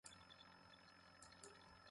سی سے مُکھ لو اَوُوشُن۔